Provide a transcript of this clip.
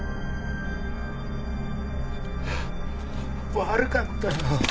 悪かったよ。